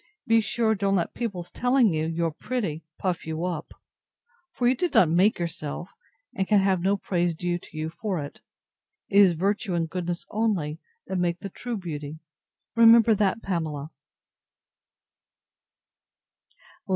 Be sure don't let people's telling you, you are pretty, puff you up; for you did not make yourself, and so can have no praise due to you for it. It is virtue and goodness only, that make the true beauty. Remember that, Pamela.